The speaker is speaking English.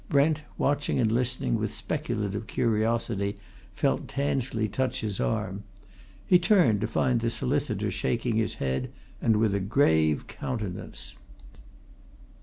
Brent, watching and listening with speculative curiosity, felt Tansley touch his arm. He turned, to find the solicitor shaking his head, and with a grave countenance.